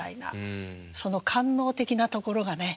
その官能的なところがね。